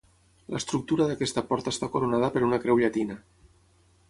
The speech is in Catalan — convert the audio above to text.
L'estructura d'aquesta porta està coronada per una creu llatina.